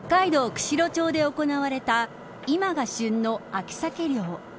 釧路町で行われた今が旬の秋サケ漁。